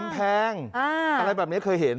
แพงอะไรแบบนี้เคยเห็น